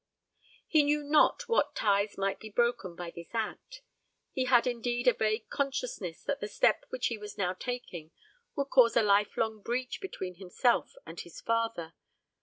He knew not what ties might be broken by this act. He had indeed a vague consciousness that the step which he was now taking would cause a lifelong breach between himself and his father.